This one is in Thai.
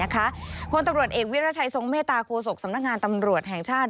คนตำรวจเอกวิรัชัยทรงเมตตาโฆษกสำนักงานตำรวจแห่งชาติ